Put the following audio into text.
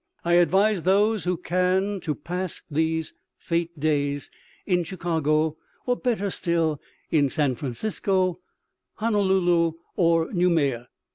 I advise those who can to pass these fete days in Chicago, or better still in San Francisco, Honolulu or Noumea.